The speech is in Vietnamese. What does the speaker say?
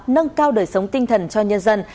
nâng cao đời sống tinh thần cho nhân dân